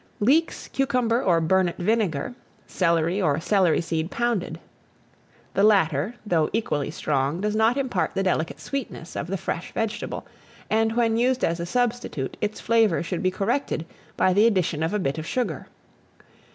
Leeks, cucumber, or burnet vinegar; celery or celery seed pounded. The latter, though equally strong, does not impart the delicate sweetness of the fresh vegetable; and when used as a substitute, its flavour should be corrected by the addition of a bit of sugar.